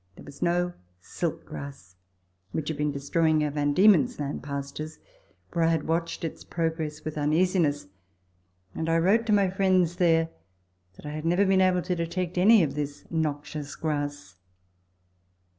There was no silk grass, which had been destroying our V, D. L. pastures, where I had watched its progress with uneasiness, and I wrote to my friends there that I had never been able to detect any of this noxious grass.